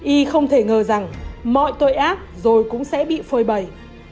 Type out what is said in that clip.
y không thể ngờ rằng mọi tội ác rồi cũng sẽ bị phơi bầy